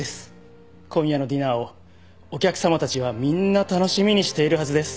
今夜のディナーをお客さまたちはみんな楽しみにしているはずです。